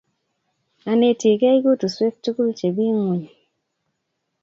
Anetikei kutuswek tukul chepi ng'wony.